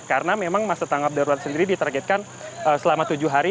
karena memang masa tanggal darurat sendiri diteragetkan selama tujuh hari